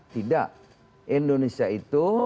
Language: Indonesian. tidak indonesia itu